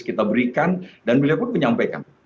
kita berikan dan beliau pun menyampaikan